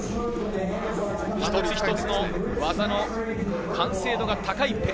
一つ一つの技の完成度が高いペリ